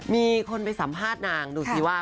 มีคนไปสัมภาษณ์นางดูสิว่า